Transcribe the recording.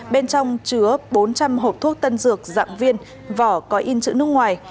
bên trong chứa bốn trăm linh hộp thuốc tân dược dạng viên vỏ có in chữ nước ngoài